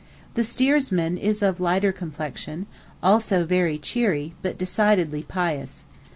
The steersman is of lighter complexion, also very cheery, but decidedly pious.